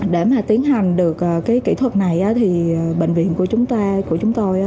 để mà tiến hành được kỹ thuật này thì bệnh viện của chúng tôi